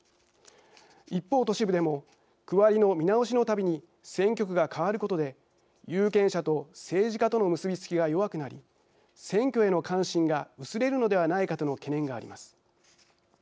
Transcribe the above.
一方、都市部でも区割りの見直しのたびに選挙区が変わることで有権者と政治家との結びつきが弱くなり選挙への関心が薄れるのではないかとの懸念があります。